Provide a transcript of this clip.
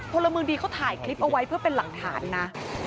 พลเมืองดีเขาถ่ายคลิปเอาไว้เพื่อเป็นหลักฐานนะ